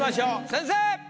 先生！